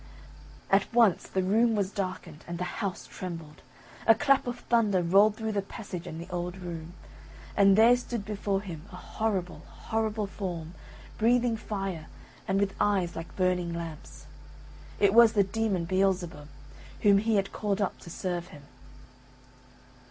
At once the room was darkened, and the house trembled; a clap of thunder rolled through the passage and the old room, and there stood before him a horrible, horrible form, breathing fire, and with eyes like burning lamps. It was the demon Beelzebub, whom he had called up to serve him.